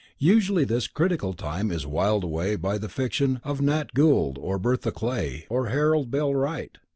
Usually this critical time is whiled away by the fiction of Nat Gould or Bertha Clay or Harold Bell Wright.